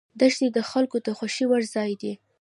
دښتې د خلکو د خوښې وړ ځای دی.